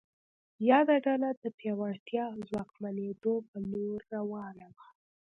یاده ډله د پیاوړتیا او ځواکمنېدو په لور روانه وه.